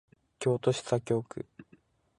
京都市左京区